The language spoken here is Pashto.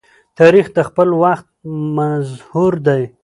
تاریخ د خپل وخت مظهور دی.